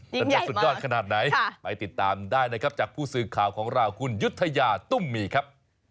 มันจะสุดยอดขนาดไหนไปติดตามได้นะครับจากผู้สื่อข่าวของเราคุณยุธยาตุ้มมีครับ